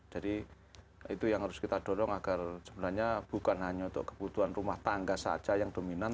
jadi itu yang harus kita dorong agar sebenarnya bukan hanya untuk kebutuhan rumah tangga saja yang dominan